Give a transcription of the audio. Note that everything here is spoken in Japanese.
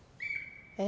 えっ？